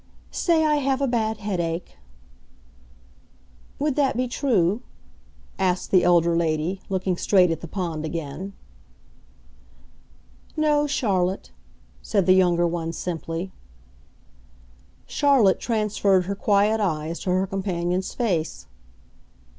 "Say I have a bad headache." "Would that be true?" asked the elder lady, looking straight at the pond again. "No, Charlotte," said the younger one simply. Charlotte transferred her quiet eyes to her companion's face.